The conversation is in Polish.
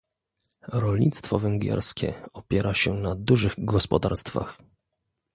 Rolnictwo węgierskie opiera się na dużych gospodarstwach